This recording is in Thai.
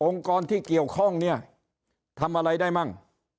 กรที่เกี่ยวข้องเนี่ยทำอะไรได้มั่ง